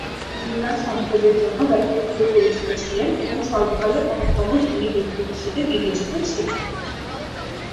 তিনি তার সম্পদের জন্য ব্যাপকভাবে পরিচিত ছিলেন এবং সর্বকালের অন্যতম ধনী ব্যক্তি হিসাবে বিবেচিত ছিলেন।